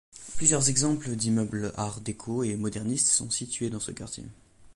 Plusieurs exemples d’immeubles Art déco et modernistes sont situés dans ce quartier.